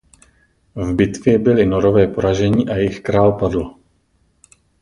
V bitvě byli Norové poraženi a jejich král padl.